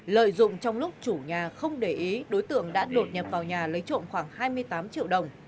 lợi dụng trong lúc chủ nhà không để ý đối tượng đã đột nhập vào nhà lấy trộm khoảng hai mươi tám triệu đồng